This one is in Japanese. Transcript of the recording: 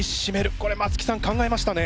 これ松木さん考えましたね。